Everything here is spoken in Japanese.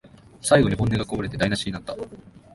最後に本音がこぼれて台なしになった